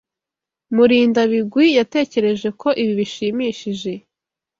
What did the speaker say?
Murindabigwi yatekereje ko ibi bishimishije.